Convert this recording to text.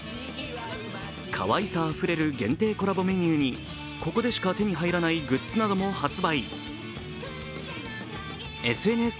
かわいさあふれる限定コラボメニューにここでしか手に入らないグッズなども販売。